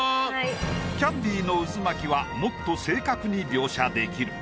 キャンディーの渦巻きはもっと正確に描写できる。